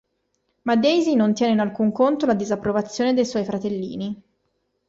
Ma Daisy non tiene in alcun conto la disapprovazione dei suoi fratellini.